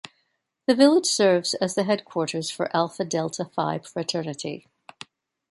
The village serves as the headquarters for Alpha Delta Phi fraternity.